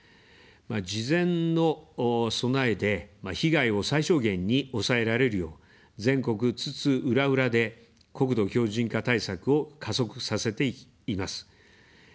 事前の備えで被害を最小限に抑えられるよう、全国津々浦々で国土強じん化対策を加速させています。